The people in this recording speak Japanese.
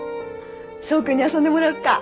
想君に遊んでもらおっか。